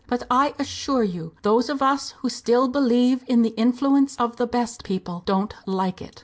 But, I assure you, those of us who still believe in the influence of the best people don't like it."